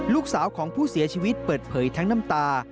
ลูกสาวของผู้เสียชีวิตเปิดเผยทั้งน้ำตา